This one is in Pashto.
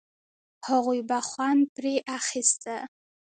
هغوی به خوند پر اخيسته.